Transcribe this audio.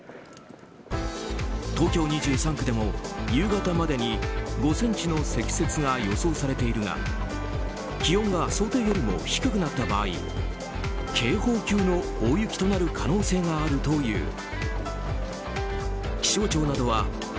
東京２３区でも夕方までに５ｃｍの積雪が予想されているが気温が想定よりも低くなった場合警報級の大雪となる可能性があるという。